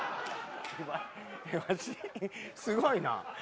すごいな。